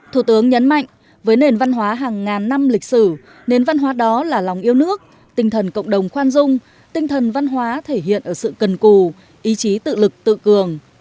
thủ tướng nhấn mạnh với nền văn hóa hàng ngàn năm lịch sử nền văn hóa đó là lòng yêu nước tinh thần cộng đồng khoan dung tinh thần văn hóa thể hiện ở sự cần cù ý chí tự lực tự cường